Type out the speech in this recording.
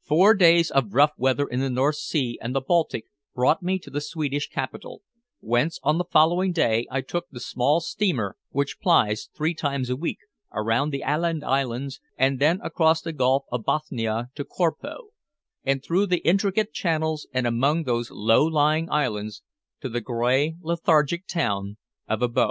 Four days of rough weather in the North Sea and the Baltic brought me to the Swedish capital, whence on the following day I took the small steamer which plies three times a week around the Aland Islands, and then across the Gulf of Bothnia to Korpo, and through the intricate channels and among those low lying islands to the gray lethargic town of Abo.